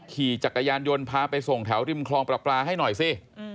ขี่จักรยานยนต์พาไปส่งแถวริมคลองประปลาให้หน่อยสิ